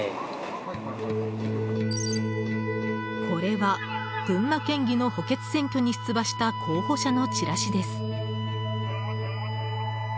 これは、群馬県議の補欠選挙に出馬した候補者のチラシです。